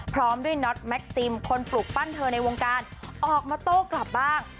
พร้อมด้วยน็อตแม็กซิมคนปลูกปั้นเธอในวงการออกมาโต้กลับบ้าง